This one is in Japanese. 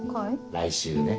来週ね。